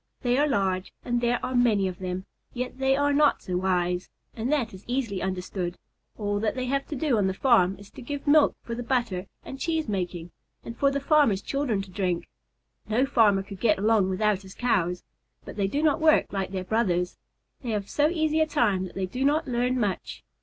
They are large and there are many of them, yet they are not so wise, and that is easily understood. All that they have to do on the farm is to give milk for the butter and cheese making, and for the farmer's children to drink. No farmer could get along without his Cows, but they do not work like their brothers. They have so easy a time that they do not learn much.